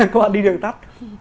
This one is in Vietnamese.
các bạn đi đường tắt